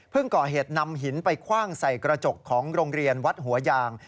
ก่อเหตุนำหินไปคว่างใส่กระจกของโรงเรียนวัดหัวยาง